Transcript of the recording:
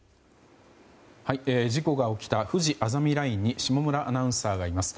事故が起きたふじあざみラインに下村アナウンサーがいます。